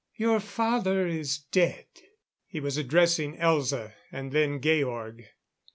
"Your father is dead." He was addressing Elza; and then Georg.